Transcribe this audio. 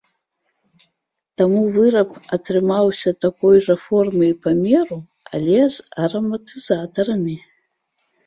Таму выраб атрымаўся такой жа формы і памеру, але з араматызатарамі.